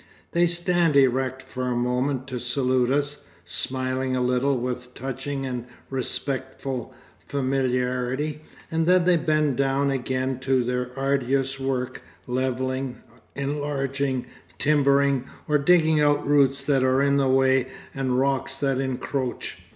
They stand erect for a moment to salute us, smiling a little with touching and respectful familiarity, and then they bend down again to their arduous work, levelling, enlarging, timbering, or digging out roots that are in the way, and rocks that encroach.